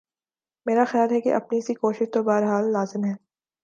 میرا خیال ہے کہ اپنی سی کوشش تو بہر حال لازم ہے۔